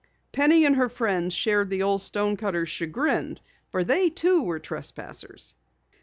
Penny and her friends shared the old stonecutter's chagrin, for they too were trespassers.